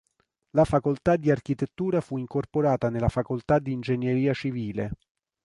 La facoltà di architettura fu incorporata nella facoltà di ingegneria civile.